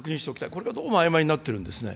これがどうもあいまいになっているんですね。